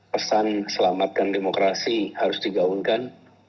pesan selamatkan demokrasi harus digaungkan